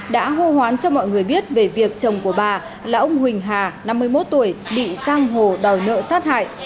đã hô hoán cho mọi người biết về việc chồng của bà là ông huỳnh hà năm mươi một tuổi bị giang hồ đòi nợ sát hại